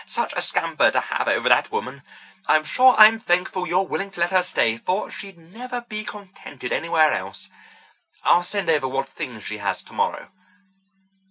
Such a scamper to have over that woman! I'm sure I'm thankful you're willing to let her stay, for she'd never be contented anywhere else. I'll send over what few things she has tomorrow."